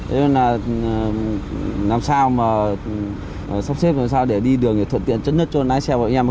nên là làm sao mà sắp xếp làm sao để đi đường thuận tiện chất nhất cho lái xe của anh em